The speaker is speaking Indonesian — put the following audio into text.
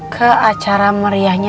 ke acara meriahnya